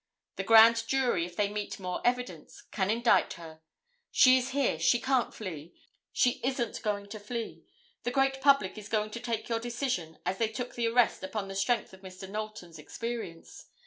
The grand jury, if they meet more evidence, can indict her. She is here—she can't flee. She isn't going to flee. The great public is going to take your decision as they took the arrest upon the strength of Mr. Knowlton's experience.